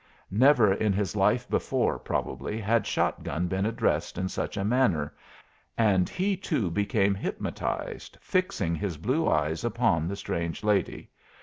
Never in his life before, probably, had Shot gun been addressed in such a manner, and he too became hypnotized, fixing his blue eyes upon the strange lady.